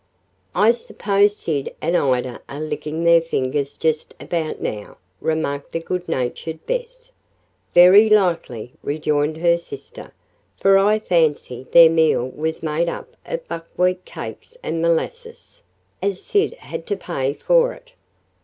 "I suppose Sid and Ida are licking their fingers just about now," remarked the good natured Bess. "Very likely," rejoined her sister, "for I fancy their meal was made up of buckwheat cakes and molasses, as Sid had to pay for it."